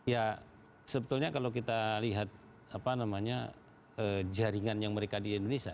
ya sebetulnya kalau kita lihat jaringan yang mereka di indonesia